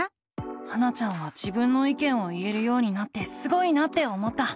ハナちゃんは自分の意見を言えるようになってすごいなって思った。